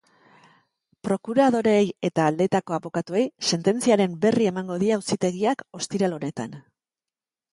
Prokuradoreei eta aldeetako abokatuei sententziaren berri emango die auzitegiak ostiral honetan.